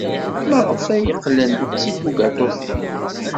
Maɣef ay qqlent d tibugaṭutin?